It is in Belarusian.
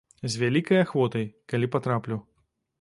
З вялікай ахвотай, калі патраплю.